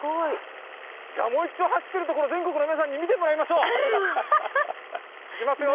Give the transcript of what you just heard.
じゃあ、もう一度、走っているところ、全国の皆さんに見てもらいましょう。いきますよ。